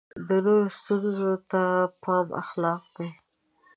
د نورو ستونزو ته پام اخلاق دی.